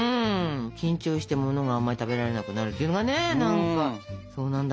緊張してものがあんまり食べられなくなるっていうのがね何かそうなんだなと思って。